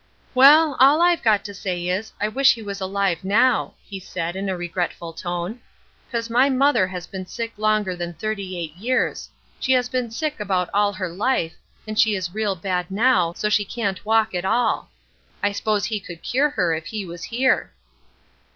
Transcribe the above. "Well, all I've got to say is, I wish he was alive now," he said, in a regretful tone, "'cause my mother has been sick longer than thirty eight years; she has been sick about all her life, and she is real bad now, so she can't walk at all. I s'pose he could cure her if he was here."